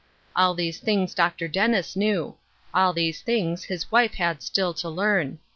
All these things Dr. Dennis knew; all these things his wife had still to learn.